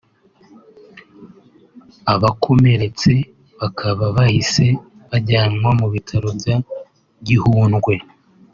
abakomeretse bakaba bahise bajyanwa mu bitaro bya Gihundwe